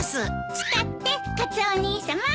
使ってカツオお兄さま。